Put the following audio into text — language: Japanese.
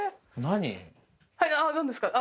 何ですか？